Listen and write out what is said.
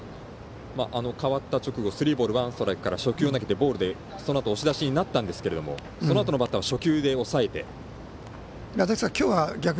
代わった直後スリーボールワンストライクからボールで、そのあと押し出しになったんですけどそのあとのバッターは初球で抑えて。